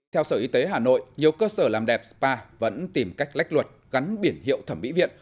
theo sở y tế hà nội nhiều cơ sở làm đẹp spa vẫn tìm cách lách luật gắn biển hiệu thẩm mỹ viện